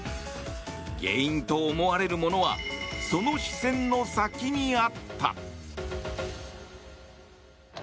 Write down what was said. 原因と思われるものはその視線の先にあった。